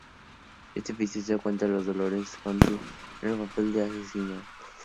Este episodio cuenta con Dolores Fonzi, en el papel de asesina.